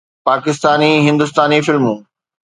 پاڪستاني، هندستاني فلمون